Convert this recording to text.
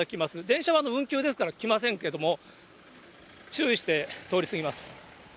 電車は運休ですから来ませんけれども、注意して通り過ぎます。